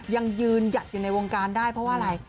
ยังยืนหยัดอยู่ในวงการได้เพราะว่าอะไร